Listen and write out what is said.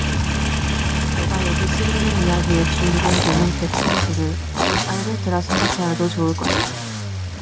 내가 여기 쓰려는 이야기의 주인공 되는 백성수를, 혹은 알벨트라 생각하여도 좋을 것이요.